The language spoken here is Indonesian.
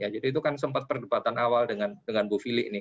jadi itu kan sempat perdebatan awal dengan bu fili ini